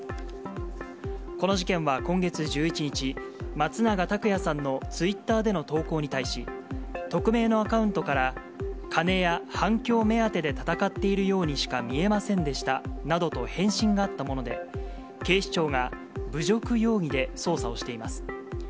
この事件は今月１１日、松永拓也さんのツイッターでの投稿に対し、匿名のアカウントから、金や反響目当てで闘っているようにしか見えませんでしたなどと返信があったもので、警視庁が侮辱容疑で捜査をしています。